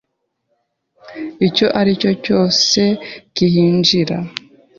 icyo ari cyo cyose kihinjira